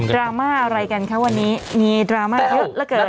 ดราม่าอะไรกันคะวันนี้มีดราม่าเหลือเกิดไหม